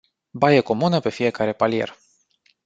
Baie comună pe fiecare palier.